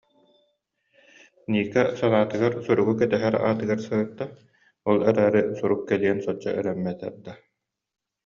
Ника санаатыгар суругу кэтэһэр аатыгар сырытта, ол эрээри сурук кэлиэн соччо эрэммэтэр да